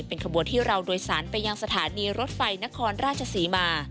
เป็นขบวนที่เราโดยสารไปยังสถานีรถไฟนครราชศรีมา